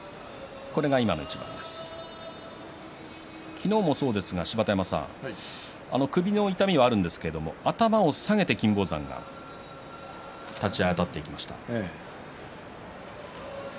昨日もそうですが、芝田山さん首の痛みはあるんですが頭を下げて金峰山が立ち合いあたっていきました。